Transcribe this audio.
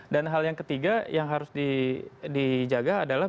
dan hal yang ketiga yang harus dijaga adalah